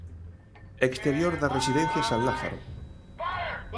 Exterior da residencia San Lázaro.